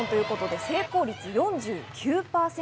成功率４９％。